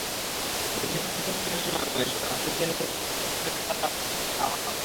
দেশের প্রতিটি পত্রিকার শিরোনামে শাহবাগ, টিভি চ্যানেলগুলোর চৌপ্রহরের তাজা ধারাভাষ্যে শাহবাগ।